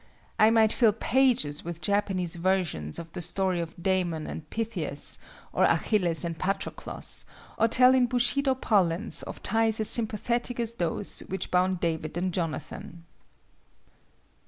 I might fill pages with Japanese versions of the story of Damon and Pythias or Achilles and Patroclos, or tell in Bushido parlance of ties as sympathetic as those which bound David and Jonathan.